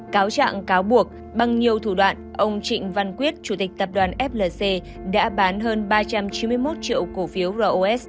cáo trạng cáo buộc bằng nhiều thủ đoạn ông trịnh văn quyết chủ tịch tập đoàn flc đã bán hơn ba trăm chín mươi một triệu cổ phiếu ros